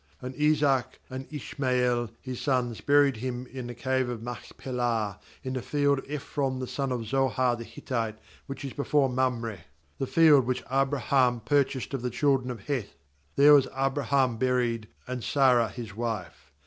9And Isaac and Ishmael his sons buried him in the cave of Machpelah, in the field of Ephron the son of Zohar the Hittite, which is before Mamre: 10the field which Abraham purchased of the children of Heth; there was Abraham buried, and Sarah his wife.